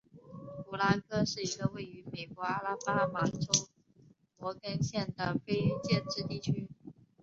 胡拉科是一个位于美国阿拉巴马州摩根县的非建制地区。